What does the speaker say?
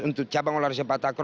untuk cabang olahraga sepatah akro